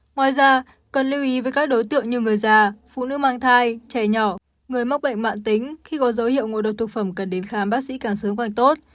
ngoài ra cần lưu ý với các đối tượng như người già phụ nữ mang thai trẻ nhỏ người mắc bệnh mạng tính khi có dấu hiệu ngộ độc thực phẩm cần đến khám bác sĩ càng sớm khoanh tốt